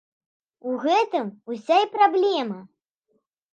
У гэтым ўся і праблема!